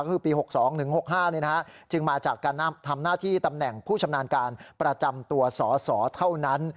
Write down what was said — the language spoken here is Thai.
ก็คือปี๖๒ถึง๖๕จึงมาจากการทำหน้าที่ตำแหน่งผู้ชำนาญการประจำตัวสอสอเท่านั้น